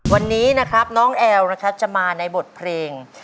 วันนี้นะครับน้องแอลนะครับจะมาในบทเพลง